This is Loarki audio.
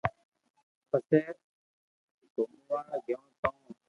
پسي گومئوا گيو تو